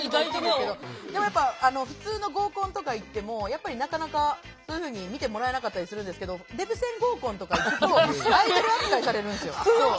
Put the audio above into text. でもやっぱ普通の合コンとか行ってもなかなかそういうふうに見てもらえなかったりするんですけどデブ専合コンとか行くとアイドル扱いされるんですよ。